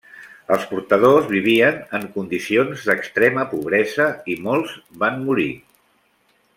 Els portadors vivien en condicions d'extrema pobresa i molts van morir.